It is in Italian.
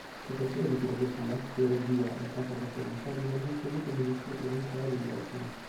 Professore di filosofia, teologia e sacra eloquenza divenne in seguito ministro provinciale dell'Ordine.